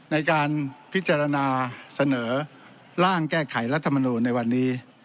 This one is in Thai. ในการพิจารณาเสนอร่างแก้ไขรัฐมนูลในวันนี้